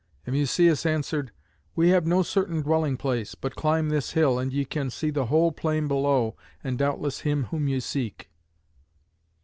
And Musæus answered, "We have no certain dwelling place: but climb this hill, and ye can see the whole plain below, and doubtless him whom ye seek."